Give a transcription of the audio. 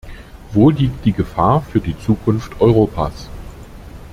Wo liegt die Gefahr für die Zukunft Europas?